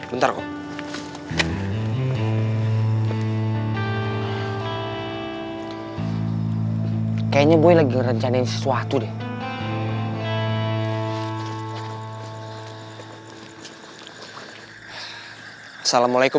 lo mau ngapain dateng kesini lo mau